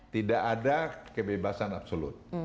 tidak ada kebebasan absolut